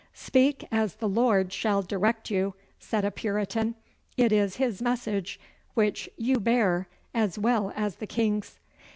'Speak as the Lord shall direct you,' said a Puritan. 'It is His message which you bear as well as the King's.